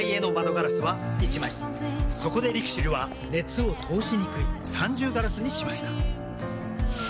そこでＬＩＸＩＬは熱を通しにくい三重ガラスにしました。